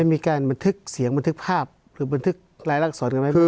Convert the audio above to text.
มีการบันทึกเสียงบันทึกภาพหรือบันทึกรายลักษรกันไหม